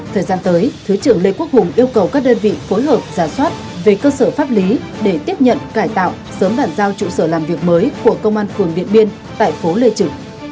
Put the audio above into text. thời gian tới thứ trưởng lê quốc hùng yêu cầu các đơn vị phối hợp giả soát về cơ sở pháp lý để tiếp nhận cải tạo sớm bàn giao trụ sở làm việc mới của công an phường điện biên tại phố lê trực